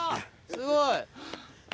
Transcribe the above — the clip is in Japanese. すごい。